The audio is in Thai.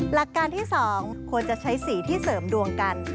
หลักการที่๒ควรจะใช้สีที่เสริมดวงกัน